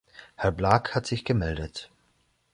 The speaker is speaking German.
Herr Blak hat sich gemeldet.